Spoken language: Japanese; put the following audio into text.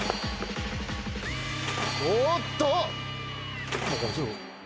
おっと。